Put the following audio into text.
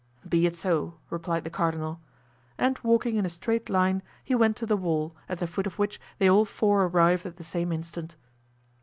"Be it so," replied the cardinal; and walking in a straight line he went to the wall, at the foot of which they all four arrived at the same instant.